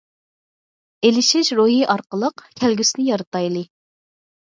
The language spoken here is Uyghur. ئېلىشىش روھى ئارقىلىق كەلگۈسىنى يارىتايلى.